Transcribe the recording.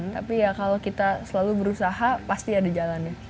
tapi ya kalau kita selalu berusaha pasti ada jalannya